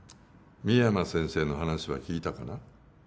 深山先生の話は聞いたかな？